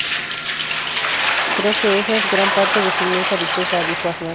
Creo que esa es gran parte de su inmensa riqueza", dijo Aznar.